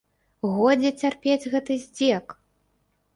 Годзе цярпець гэты здзек!